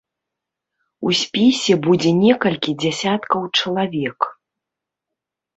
У спісе будзе некалькі дзесяткаў чалавек.